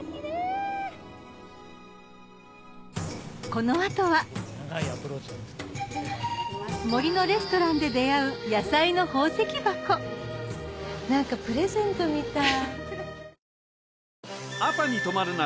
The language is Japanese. この後は森のレストランで出合う野菜の宝石箱何かプレゼントみたい。